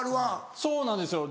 そうなんですよ